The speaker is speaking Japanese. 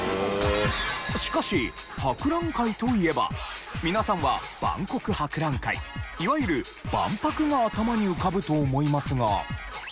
しかし博覧会といえば皆さんは万国博覧会いわゆる万博が頭に浮かぶと思いますが。